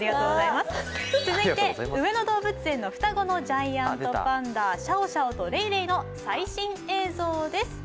続いて上野動物園の双子のジャイアントパンダ、シャオシャオとレイレイの最新映像です。